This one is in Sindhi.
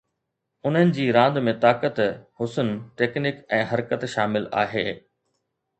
انهن جي راند ۾ طاقت، حسن، ٽيڪنڪ ۽ حرڪت شامل آهي